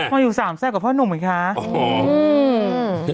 มาอยู่สามแสกกับพ่อหนุ่มไอ้ค่ะอ๋ออืม